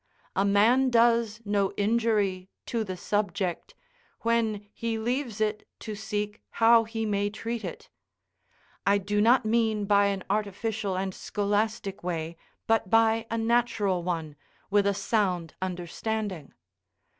A man does no injury to the subject, when he leaves it to seek how he may treat it; I do not mean by an artificial and scholastic way, but by a natural one, with a sound understanding.